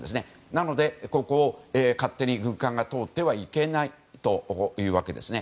なので、ここを勝手に軍艦が通ってはいけないというわけです。